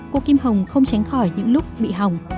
cô kim hồng không tránh khỏi những lúc bị hỏng